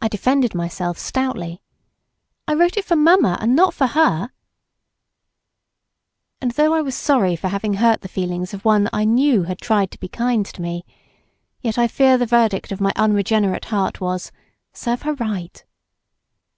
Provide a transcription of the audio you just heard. I defended myself stoutly. "I wrote it for mamma and not for her," and though I was sorry for having hurt the feelings of one I knew had tried to be kind to me, yet I fear the verdict of my unregenerate heart was, "serve her right."